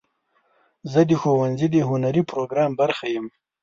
زه د ښوونځي د هنري پروګرام برخه یم.